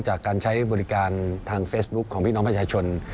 จากการใช้บริการทางเฟซบุ๊คของพี่น้องประชาชน